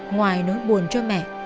ngoài nỗi buồn cho mẹ